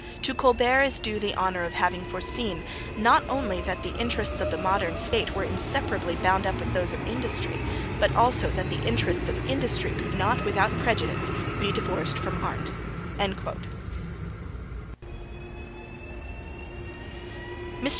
To Colbert is due the honour of having foreseen, not only that the interests of the modern State were inseparably bound up with those of industry, but also that the interests of industry could not, without prejudice, be divorced from art. Mr.